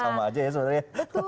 sama aja ya sebenarnya